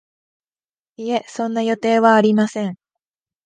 いえ、そんな予定はありません